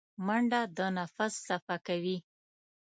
منډه د نفس صفا کوي